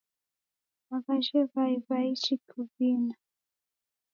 Aw'ajhe w'ai w'aichi kuvina.